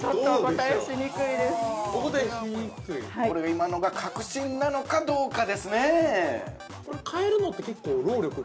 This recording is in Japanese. ◆今のが核心なのかどうかですね。